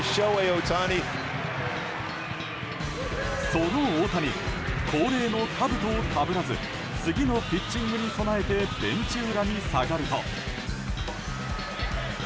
その大谷恒例のかぶとをかぶらず次のピッチングに備えてベンチ裏に下がると。